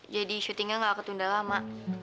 jadi syutingnya gak ketunda lama